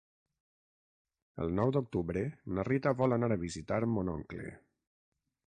El nou d'octubre na Rita vol anar a visitar mon oncle.